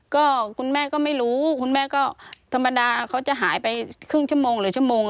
ก็คุณแม่ก็ไม่รู้คุณแม่ก็ธรรมดาเขาจะหายไปครึ่งชั่วโมงหรือชั่วโมง